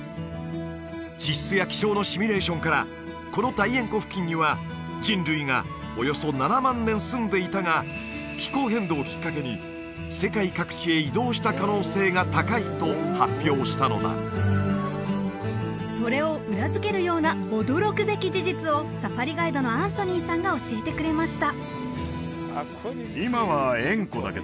地質や気象のシミュレーションからこの大塩湖付近には人類がおよそ７万年住んでいたが気候変動をきっかけに世界各地へ移動した可能性が高いと発表したのだそれを裏付けるような驚くべき事実をサファリガイドのアンソニーさんが教えてくれました